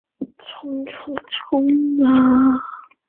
已有五殿的佛教建筑群。